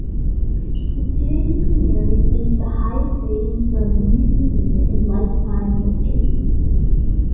The series premiere received the highest ratings for a movie premiere in Lifetime history.